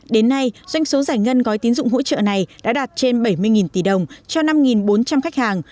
đến nay doanh số giải ngân gói tín dụng hỗ trợ này đã đạt trên bảy mươi tỷ đồng cho năm bốn trăm linh khách hàng